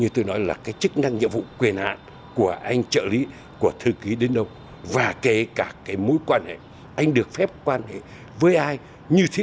tương tự ông nguyễn văn trịnh trợ lý của ủy viên trung ương đảng phó thủ tướng chính phủ